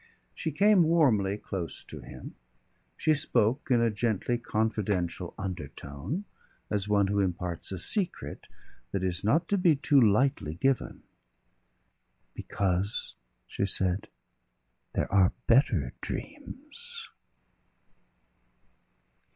She came warmly close to him. She spoke in gently confidential undertone, as one who imparts a secret that is not to be too lightly given. "Because," she said, "there are better dreams."